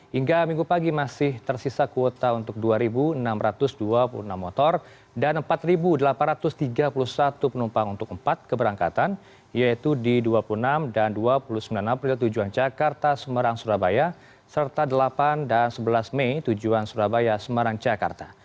hingga minggu pagi masih tersisa kuota untuk dua enam ratus dua puluh enam motor dan empat delapan ratus tiga puluh satu penumpang untuk empat keberangkatan yaitu di dua puluh enam dan dua puluh sembilan april tujuan jakarta semarang surabaya serta delapan dan sebelas mei tujuan surabaya semarang jakarta